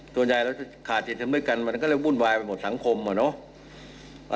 ส่วนใหญ่เราจะขาดจิตสำนึกกันมันก็เลยวุ่นวายไปหมดสังคมอะเนาะ